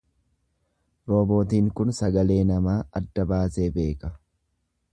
Roobootiin kun sagalee namaa adda baasee beeka.